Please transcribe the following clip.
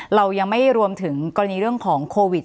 เรายังไม่รวมถึงกรณีเรื่องของโควิด